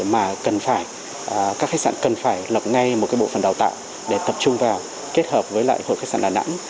mà các khách sạn cần phải lập ngay một bộ phần đào tạo để tập trung vào kết hợp với hội khách sạn đà nẵng